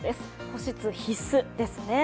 保湿必須ですね。